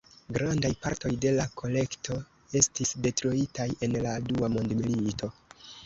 Grandaj partoj de la kolekto estis detruitaj en la dua mondmilito.